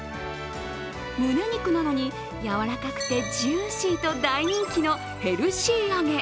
むね肉なのに、柔らかくてジューシーと大人気のヘルシー揚げ。